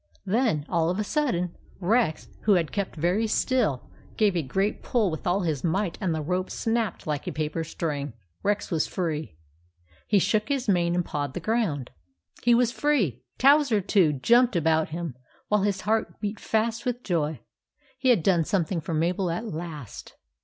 Then, all of a sudden, Rex, who had kept very still, gave a great pull with all his might, and the rope snapped like a paper string. Rex was free ! He shook his mane and pawed the ground. He was free! Towser, too, jumped about him, while his heart beat fast with joy. He had done something for Mabel at last.